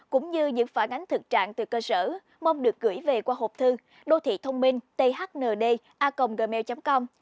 cũng như những phản ánh thực trạng từ cơ sở mong được gửi về qua hộp thư đô thịthôngminhthndacomgmail com